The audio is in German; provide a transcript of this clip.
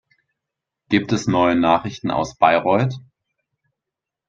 Gibt es neue Nachrichten aus Bayreuth?